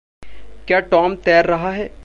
क्या टॉम तैर रहा है?